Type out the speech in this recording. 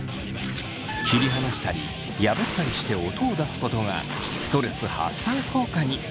切り離したり破ったりして音を出すことがストレス発散効果に。